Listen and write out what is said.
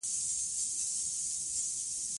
یورانیم د افغانستان د چاپیریال ساتنې لپاره مهم دي.